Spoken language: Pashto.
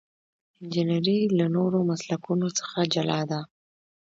انجنیری له نورو مسلکونو څخه جلا ده.